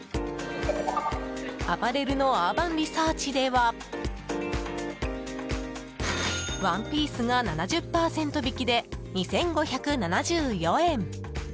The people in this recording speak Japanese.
アパレルのアーバンリサーチではワンピースが７０％引きで２５７４円。